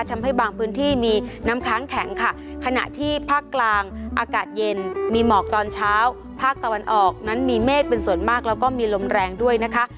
ทำให้บางพื้นที่มีน้ำค้างแข็งค่ะขณะที่ภาคกลางอากาศเย็นมีหมอกตอนเช้าภาคตะวันออกนั้นมีเมฆเป็นส่วนมากแล้วก็มีลมแรงด้วยนะคะ